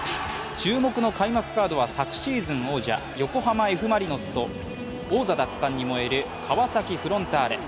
注目の開幕カードは昨シーズン王者・横浜Ｆ・マリノスと王座奪還に燃える川崎フロンターレ。